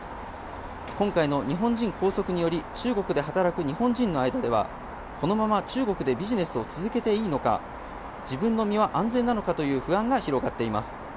今回の日本人拘束により中国で働く日本人の間では、このまま中国でビジネスを続けていいのか、自分の身は安全なのかという不安が広がっています。